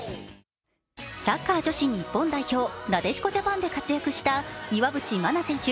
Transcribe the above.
サッカー女子日本代表、なでしこジャパンで活躍した岩渕真奈選手